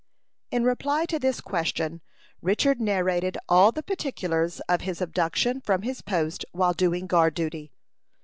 In reply to this question, Richard narrated all the particulars of his abduction from his post while doing guard duty.